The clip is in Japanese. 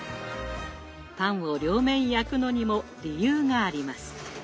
パンを両面焼くのにも理由があります。